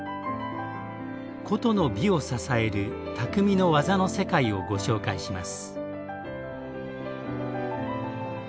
古都の美を支える「匠の技の世界」をご紹介します。